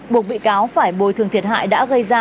buộc bị cáo phải bồi thường thiệt hại đã gây ra